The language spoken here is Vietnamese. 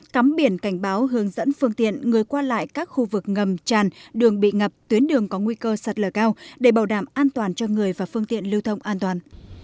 cắm biển cảnh báo hướng dẫn phương tiện người qua lại các khu vực ngầm tràn đường bị ngập tuyến đường có nguy cơ sạt lở cao để bảo đảm an toàn cho người và phương tiện lưu thông an toàn